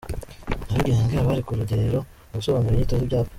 Nyarugenge Abari ku Rugerero mu gusobanura inyito z’ibyapa